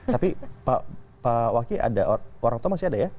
tapi pak waki ada orang tua masih ada ya